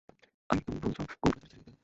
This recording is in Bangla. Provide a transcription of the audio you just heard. আর তুমি বলছো কোর্ট-কাচারি ছেড়ে দিতে।